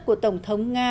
của tổng thống nga